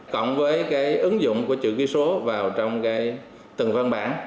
cộng với cái ứng dụng của chữ ký số vào trong từng văn bản